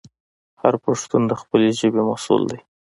هر پښتون د خپلې ژبې مسوول دی.